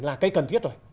là cái cần thiết rồi